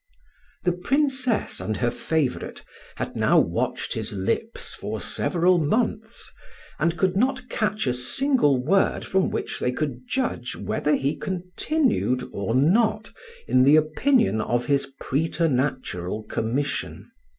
The Princess and her favourite had now watched his lips for several months, and could not catch a single word from which they could judge whether he continued or not in the opinion of his preternatural commission.